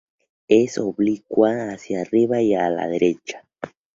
Es oblicua hacia arriba y a la derecha.